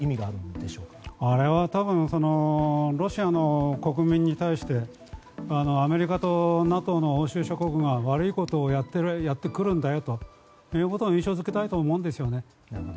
あれはロシアの国民に対してアメリカとＮＡＴＯの欧州諸国が悪いことをやってくるんだよということを印象付けたいんだと思うんです。